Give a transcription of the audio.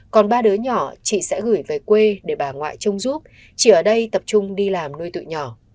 còn ba đứa nhỏ chị sẽ gửi về quê để bà ngoại trông giúp chị ở đây tập trung đi làm nuôi tự nhỏ